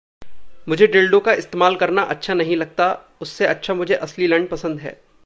मुझे डिल्डो इस्तेमाल करना अच्छा नहीं लगता, उससे अच्छा मुझे असली लंड पसंद हैं।